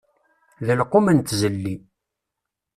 D lqum n tzelli.